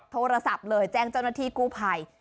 โทรศัพท์เลยแจ้งเจ้าหน้าที่กู้ภัย